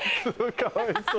かわいそう。